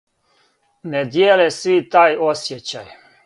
Не дијеле сви тај осјећај.